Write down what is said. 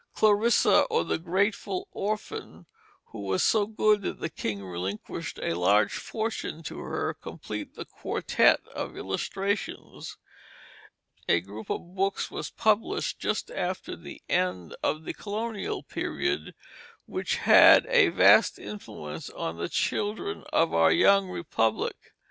Clarissa, or the Grateful Orphan, who was so good that the king relinquished a large fortune to her, complete the quartette of illustrations. A group of books was published just after the end of the colonial period, which had a vast influence on the children of our young Republic.